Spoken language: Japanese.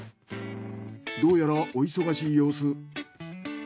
どうやらお忙しい様子。